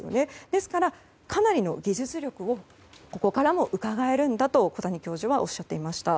ですから、かなりの技術力がうかがえるんだと小谷教授はおっしゃっていました。